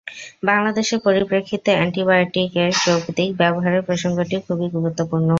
বাংলাদেশের পরিপ্রেক্ষিতে অ্যান্টিবায়োটিক-এর যৌক্তিক ব্যবহারের প্রসঙ্গটিও খুবই গুরুত্বপূর্ণ।